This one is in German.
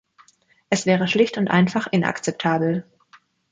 Es wäre schlicht und einfach inakzeptabel.